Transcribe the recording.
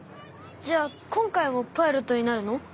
じゃあ今回もパイロットになるの？